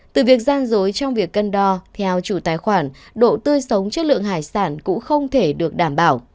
từ việc gian dối trong việc cân đo theo chủ tài khoản độ tươi sống chất lượng hải sản cũng không thể được đảm bảo